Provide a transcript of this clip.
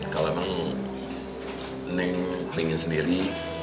kalau neng pengen sendiri